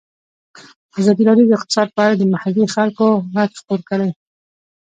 ازادي راډیو د اقتصاد په اړه د محلي خلکو غږ خپور کړی.